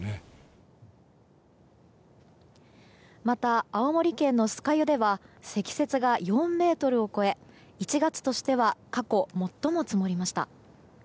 また、青森県の酸ヶ湯では積雪が４ｍを超え１月としては過去最も積もりました。